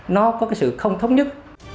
nó có sự không thống nhất